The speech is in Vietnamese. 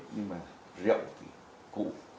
nhưng mà rượu thì cũ